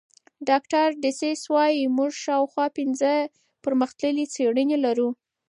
ډاکټر ډسیس وايي موږ شاوخوا پنځه پرمختللې څېړنې لرو.